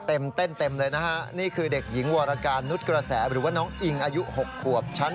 สะโพกมาเลยอ่ะ